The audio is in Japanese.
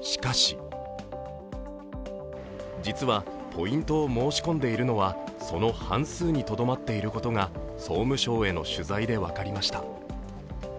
しかし実はポイントを申し込んでいるのは、その半数にとどまっていることが総務省への取材で分かりました。